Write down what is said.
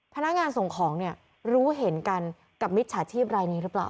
พนักงานส่งของเนี่ยรู้เห็นกันกับมิจฉาชีพรายนี้หรือเปล่า